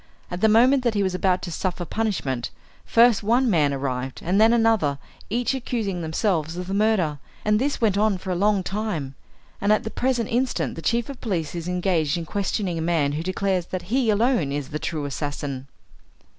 At the moment that he was about to suffer punishment, first one man arrived, and then another, each accusing themselves of the murder, and this went on for a long time, and at the present instant the chief of police is engaged in questioning a man who declares that he alone is the true assassin."